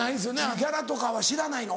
ギャラとかは知らないの？